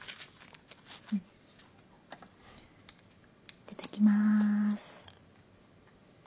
いただきます。